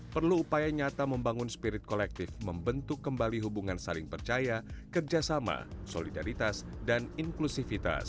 perlu upaya nyata membangun spirit kolektif membentuk kembali hubungan saling percaya kerjasama solidaritas dan inklusivitas